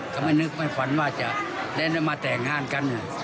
ก็ไม่นึกไม่ฝันว่าจะได้มาแต่งงานกัน